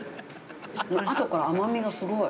あとから甘みがすごーい。